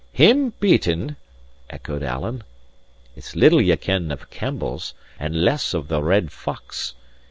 "Him beaten?" echoed Alan. "It's little ye ken of Campbells, and less of the Red Fox.